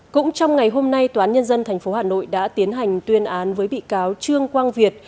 cũng trong ngày hôm nay tòa án nhân dân tp hà nội đã tiến hành tuyên án với bị cáo trương quang việt